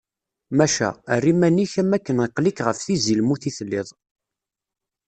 Maca, err iman-ik am akken aqli-k ɣef tizi lmut i telliḍ.